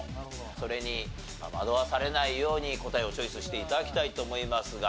それに惑わされないように答えをチョイスして頂きたいと思いますが。